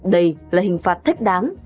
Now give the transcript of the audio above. đây là hình phạt thích đáng